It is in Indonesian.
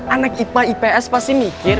anak ipa ips pasti mikir